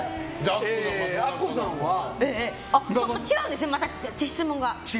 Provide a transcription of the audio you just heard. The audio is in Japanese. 違うんですね、質問が。